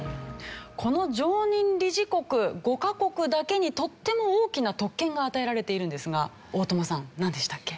この常任理事国５カ国だけにとっても大きな特権が与えられているんですが大友さんなんでしたっけ？